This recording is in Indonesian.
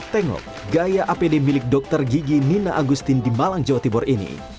tengok gaya apd milik dr gigi nina agustin di malang jawa timur ini